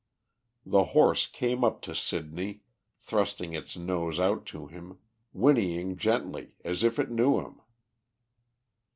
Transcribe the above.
The horse came up to Sidney, thrusting its nose out to him, whinnying gently, as if it knew him.